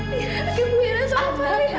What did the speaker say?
mira lagi bueran sama faria